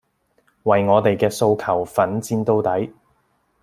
為我哋嘅訴求奮戰到底